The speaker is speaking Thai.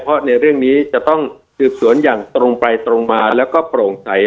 เพราะในเรื่องนี้จะต้องสืบสวนอย่างตรงไปตรงมาแล้วก็โปร่งใส